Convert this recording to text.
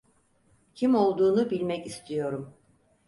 Kim olduğunu bilmek istiyorum.